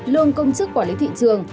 lương công chức quản lý thị trường